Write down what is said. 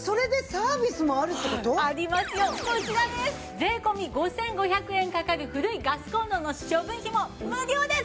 税込５５００円かかる古いガスコンロの処分費も無料です！